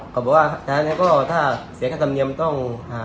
ก็บอกว่าแทนก็ถ้าเสียค่าธรรมเนียมต้อง